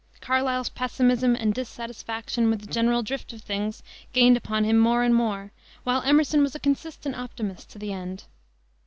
Carlyle's pessimism and dissatisfaction with the general drift of things gained upon him more and more, while Emerson was a consistent optimist to the end.